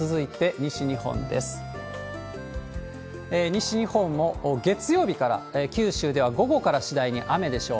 西日本も月曜日から、九州では午後から次第に雨でしょう。